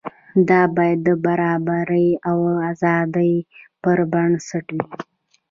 دا باید د برابرۍ او ازادۍ پر بنسټ وي.